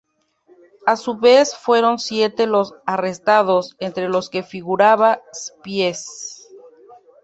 A su vez, fueron siete los arrestados, entre los que figuraba Spies.